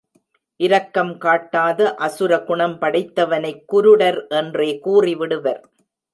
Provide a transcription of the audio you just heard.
இரக்கம் காட்டாத அசுர குணம் படைத்தவனைக் குருடர் என்றே கூறிவிடுவர்.